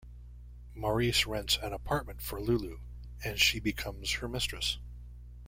Maurice rents an apartment for Lulu and she becomes her mistress.